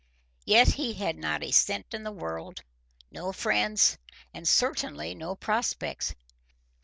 Yet he had not a cent in the world, no friends, and certainly no prospects.